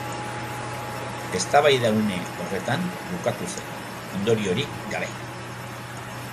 Eztabaida une horretan bukatu zen, ondoriorik gabe.